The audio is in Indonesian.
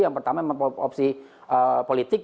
yang pertama memang opsi politik